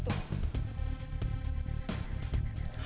mungkin dia punya firasat kalau sakti itu di situ